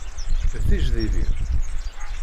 D tijdidin?